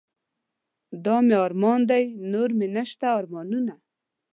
دا مې ارمان دے نور مې نشته ارمانونه